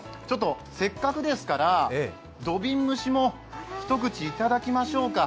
せっかくですから土瓶蒸しも一口いただきましょうか。